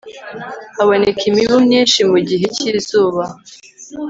haboneka imibu myinshi mu gihe cy'izuba